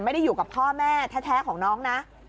ไม่ได้อยู่กับพ่อแม่แท้ของน้องนะ